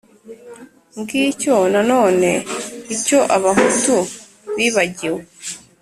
ngicyo nanone icyo abahutu bibagiwe